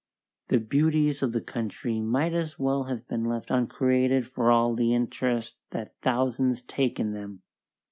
The beauties of the country might as well have been left uncreated for all the interest that thousands take in them.